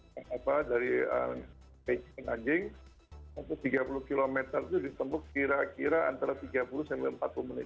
dari beijing ke nanjing tiga puluh km itu ditemukan kira kira antara tiga puluh sampai empat puluh menit